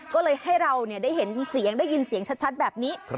ก็เลยให้เราได้เห็นเสียงได้ยินเสียงชัดแบบนี้